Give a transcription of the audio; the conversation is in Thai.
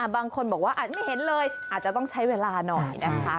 บางคนบอกว่าอาจไม่เห็นเลยอาจจะต้องใช้เวลาหน่อยนะคะ